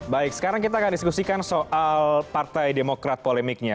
baik sekarang kita akan diskusikan soal partai demokrat polemiknya